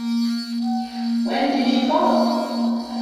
When did you follow?